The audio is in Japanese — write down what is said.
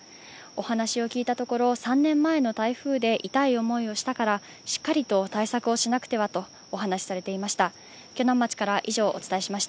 お話を聞いたところ、３年前の台風で痛い思いをしたから、しっかりと対策をしなくてはとお話しされていました。